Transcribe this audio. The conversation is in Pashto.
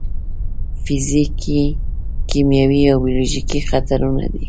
فزیکي، کیمیاوي او بیولوژیکي خطرونه دي.